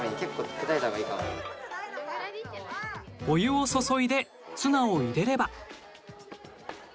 お湯を注いでツナを入れれば。